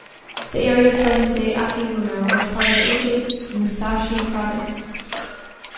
The area of present-day Akiruno was part of ancient Musashi Province.